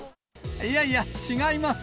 いやいや、違います。